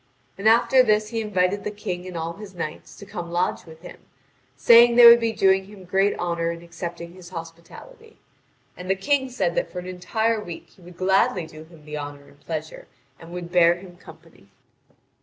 And after this he invited the King and all his knights to come to lodge with him, saying they would be doing him great honour in accepting his hospitality. And the King said that for an entire week he would gladly do him the honour and pleasure, and would bear him company.